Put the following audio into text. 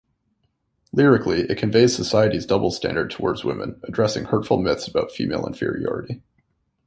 Lyrically, it conveys society's double standard toward women, addressing hurtful myths about female inferiority.